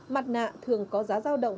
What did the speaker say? mặt nạ thường có giá giao động